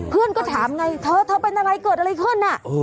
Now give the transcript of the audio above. เพื่อนก็ถามไงเธอเธอเป็นอะไรเกิดอะไรขึ้น